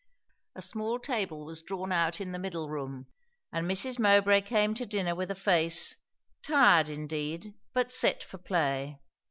A small table was drawn out in the middle room; and Mrs. Mowbray came to dinner with a face, tired indeed, but set for play.